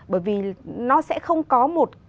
bởi vì nó sẽ không có một